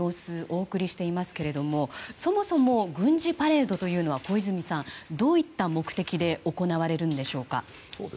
お送りしていますけれどもそもそも軍事パレードというのは小泉さんどういった目的で行われるんでしょうか。